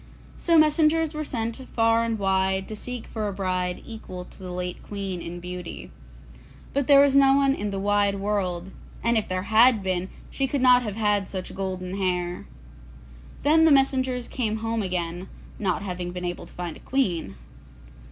So messengers were sent far and wide to seek for a bride equal to the late Queen in beauty. But there was no one in the wide world, and if there had been she could not have had such golden hair. Then the messengers came home again, not having been able to find a queen.